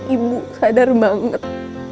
ibu sadar banget